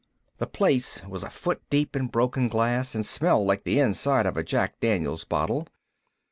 The place was a foot deep in broken glass and smelled like the inside of a Jack Daniels bottle.